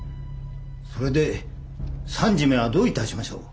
それで三次めはどう致しましょう？